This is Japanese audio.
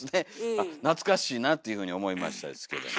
あっ懐かしいなっていうふうに思いましたですけども。